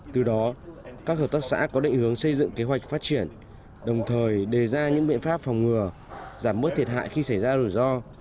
từ đó các hợp tác xã có định hướng xây dựng kế hoạch phát triển đồng thời đề ra những biện pháp phòng ngừa giảm bớt thiệt hại khi xảy ra rủi ro